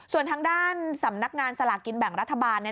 ส่วนทางด้านสำนักงานสลากกินแบ่งรัฐบาล